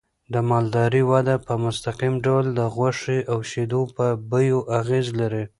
د مالدارۍ وده په مستقیم ډول د غوښې او شیدو په بیو اغېز لري.